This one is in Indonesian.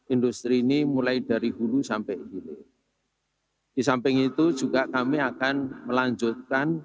industri ini mulai dari hulu sampai hilir di samping itu juga kami akan melanjutkan